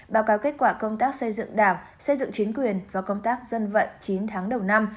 báo cáo kết quả công tác xây dựng đảng xây dựng chính quyền và công tác dân vận chín tháng đầu năm